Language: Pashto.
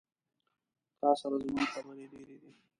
تا سره زما خبري ډيري دي